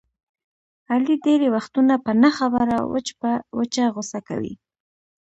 علي ډېری وختونه په نه خبره وچ په وچه غوسه کوي.